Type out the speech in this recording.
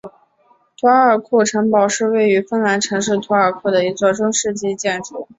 图尔库城堡是位于芬兰城市图尔库的一座中世纪建筑。